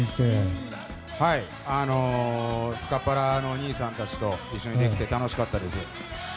スカパラの兄さんたちと一緒にできて楽しかったです。